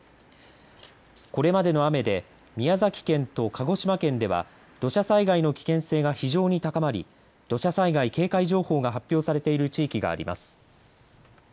これまでの雨で宮崎県と鹿児島県では土砂災害の危険性が非常に高まり土砂災害警戒情報が発表されている地域があります。